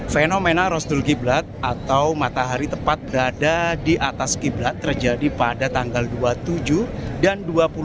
fenomena rosdul qiblat atau matahari tepat berada di atas kiblat terjadi pada tanggal dua puluh tujuh dan dua puluh dua